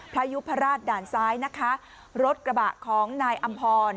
ยุพราชด่านซ้ายนะคะรถกระบะของนายอำพร